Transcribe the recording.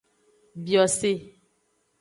Biose.